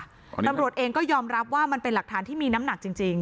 อ๋อนี่ค่ะตำรวจเองก็ยอมรับว่ามันเป็นหลักฐานที่มีน้ำหนักจริงจริง